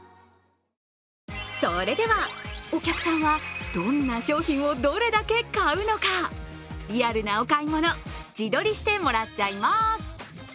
それでは、お客さんはどんな商品をどれだけ買うのか、リアルなお買い物、自撮りしてもらっちゃいます。